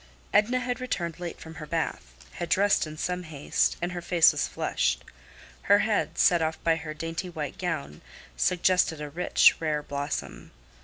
Edna had returned late from her bath, had dressed in some haste, and her face was flushed. Her head, set off by her dainty white gown, suggested a rich, rare blossom.